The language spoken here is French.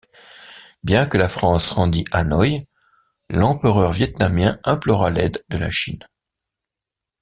Bien que la France rendît Hanoï, l'empereur vietnamien implora l'aide de la Chine.